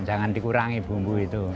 jangan dikurangi bumbu itu